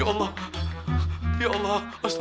astagfirullahaladzim ya allah